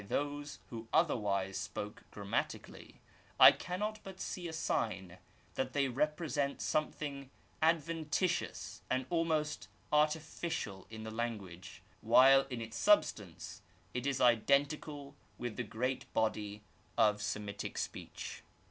T those who otherwise spoke grammatically^ I eamiot but see a sign that they represent something adventitious and almost artificial in the language^ while in its substa)nce it is identical witib the great body of Semitic speech.